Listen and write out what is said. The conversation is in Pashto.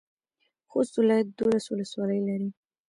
خوست ولایت دولس ولسوالۍ لري.